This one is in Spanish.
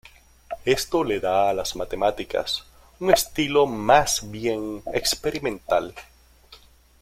Esto le da a las matemáticas un estilo más bien experimental.